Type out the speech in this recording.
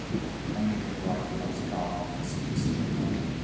Endangered right whales calve off the city's shoreline.